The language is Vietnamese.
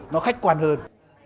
nó khách quan hơn